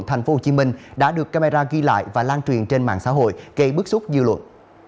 tp hcm đã được camera ghi lại và lan truyền trên mạng xã hội gây bức xúc dư luận